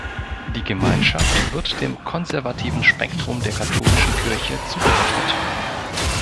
Die Gemeinschaft wird dem konservativen Spektrum der katholischen Kirche zugerechnet.